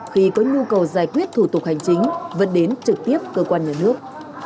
khi có nhu cầu giải quyết thủ tục hành chính vẫn đến trực tiếp cơ quan nhà nước